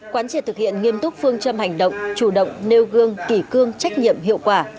quán triệt thực hiện nghiêm túc phương châm hành động chủ động nêu gương kỳ cương trách nhiệm hiệu quả